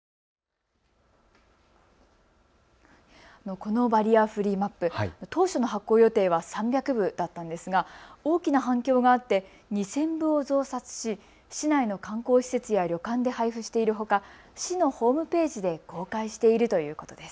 このバリアフリーマップ、当初の発行予定は３００部だったんですが大きな反響があって２０００部を増刷し市内の観光施設や旅館で配布しているほか市のホームページで公開しているということです。